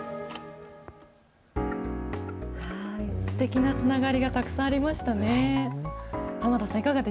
すてきなつながりがたくさんありましたね。